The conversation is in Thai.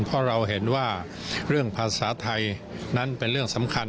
เพราะเราเห็นว่าเรื่องภาษาไทยนั้นเป็นเรื่องสำคัญ